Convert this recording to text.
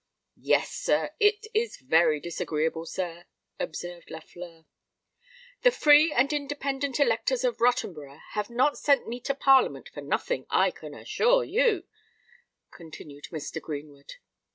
"Yes, sir—it is very disagreeable, sir," observed Lafleur. "The free and independent electors of Rottenborough have not sent me to Parliament for nothing, I can assure you," continued Mr. Greenwood.